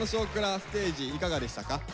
ステージいかがでしたか？